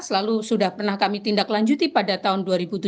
lalu sudah pernah kami tindak lanjuti pada tahun dua ribu tujuh belas